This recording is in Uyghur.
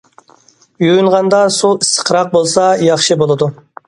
يۇيۇنغاندا سۇ ئىسسىقراق بولسا ياخشى بولىدۇ.